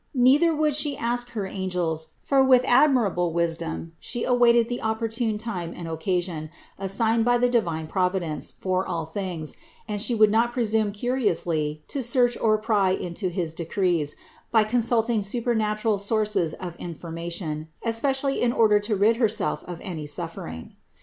Neither would She ask her angels; for with admirable wisdom, She awaited the opportune time and occasion, assigned by divine Provi dence for all things, and She would not presume curiously to search or pry into his decrees by consulting supernat ural sources of information, especially in order to rid Herself of any suffering.